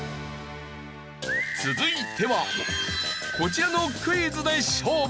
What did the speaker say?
続いてはこちらのクイズで勝負。